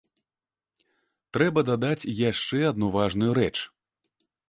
Трэба дадаць яшчэ адну важную рэч.